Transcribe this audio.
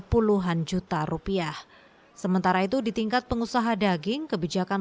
puluhan juta rupiah sementara itu di tingkat pengusaha daging kebijakan